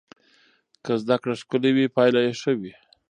که زده کړه ښکلې وي پایله یې ښه وي.